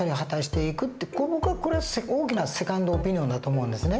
ここが大きなセカンドオピニオンだと思うんですね。